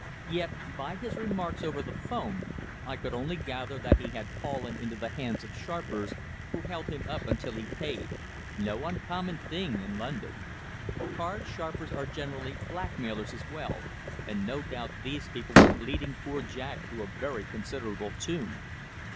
Yet, by his remarks over the 'phone, I could only gather that he had fallen into the hands of sharpers, who held him up until he paid no uncommon thing in London. Card sharpers are generally blackmailers as well, and no doubt these people were bleeding poor Jack to a very considerable tune.